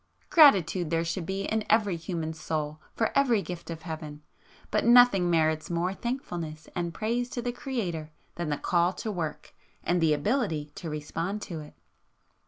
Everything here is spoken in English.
Gratitude there should be in every human soul for every gift of heaven,—but nothing merits more thankfulness and praise to the Creator than the call to work, and the ability to respond to it.